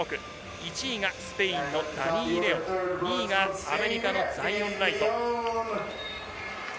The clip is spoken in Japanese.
１位がスペインのダニー・レオン、２位がアメリカのザイオン・ライト。